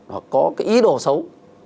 hoặc có cái ý đồ xấu